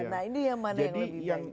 nah ini yang mana yang lebih baik